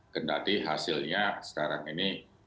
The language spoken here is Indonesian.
kedati hasilnya sekarang ini